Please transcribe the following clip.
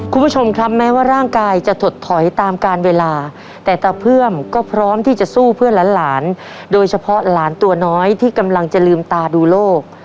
คุณผู้ชมครับแม้ว่าร่างกายจะถดถอยตามการเวลาแต่ตาเพื่อมก็พร้อมที่จะสู้เพื่อหลานหลานโดยเฉพาะหลานตัวน้อยที่กำลังจะลืมตาดูโลก